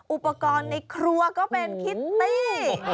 อุปกรณ์ในครัวก็เป็นคิตตี้